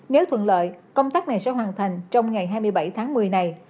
nếu thuận lợi công tác này sẽ hoàn thành trong ngày hai mươi bảy tháng một mươi này